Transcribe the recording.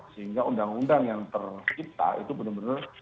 sehingga undang undang yang tercipta itu benar benar